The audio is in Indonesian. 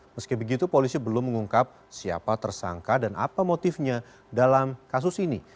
meski begitu polisi belum mengungkap siapa tersangka dan apa motifnya dalam kasus ini